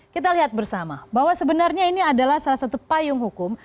kita lihat bersama bahwa sebenarnya ini adalah salah satu payung hukum